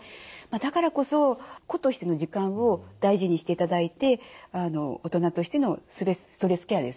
だからこそ個としての時間を大事にしていただいて大人としてのストレスケアですよね